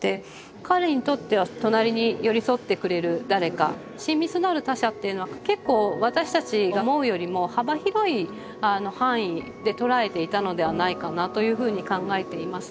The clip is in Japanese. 彼にとっては隣に寄り添ってくれる誰か親密なる他者っていうのは結構私たちが思うよりも幅広い範囲で捉えていたのではないかなというふうに考えています。